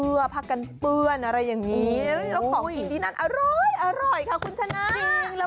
เอาไปดูดีกว่าคุณชนะ